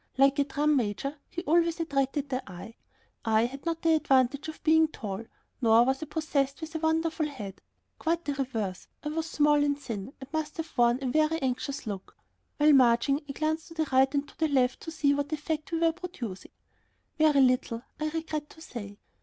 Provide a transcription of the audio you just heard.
Like a drum major, he always attracted the eye. I had not the advantage of being tall, nor was I possessed of a wonderful head. Quite the reverse, I was small and thin and I must have worn a very anxious look. While marching I glanced to the right and to the left to see what effect we were producing. Very little, I regret to say.